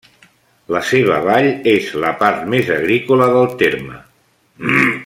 La seva vall és la part més agrícola del terme.